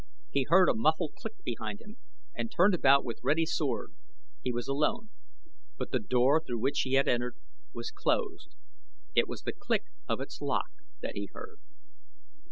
He heard a muffled click behind him and turned about with ready sword. He was alone; but the door through which he had entered was closed it was the click of its lock that he had heard.